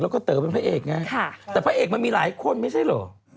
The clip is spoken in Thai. แล้วก็เต๋อเป็นพระเอกไงแต่พระเอกมันมีหลายคนไม่ใช่เหรอ